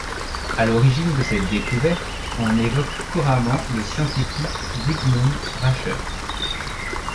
À l'origine de cette découverte, on évoque couramment le scientifique Sigmund Rascher.